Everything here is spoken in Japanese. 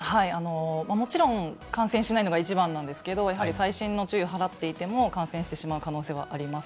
もちろん、感染しないのが一番なんですけど、やはり細心の注意を払っていても、感染してしまう可能性はあります。